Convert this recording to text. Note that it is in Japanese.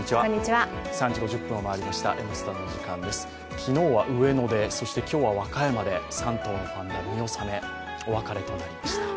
昨日は上野で今日は和歌山で３頭のパンダ、見納め、お別れとなりました。